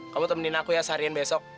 kamu temenin aku ya seharian besok